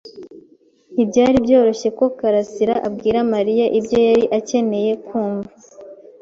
Ntibyari byoroshye ko Kalasira abwira Mariya ibyo yari akeneye kumva.